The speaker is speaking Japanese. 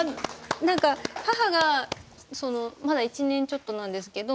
何か母がまだ１年ちょっとなんですけど亡くなって。